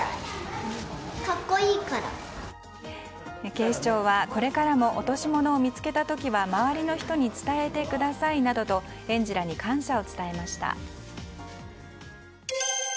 警視庁は、これからも落とし物を見つけた時は周りの人に伝えてくださいなどと園児らに感謝を伝えました。